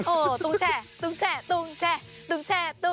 โอ้โฮตุ้งแช่